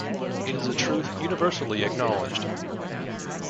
It is a truth universally acknowledged.